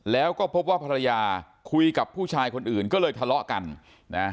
แล้วก็พบว่าภรรยาคุยกับผู้ชายคนอื่นก็เลยทะเลาะกันนะ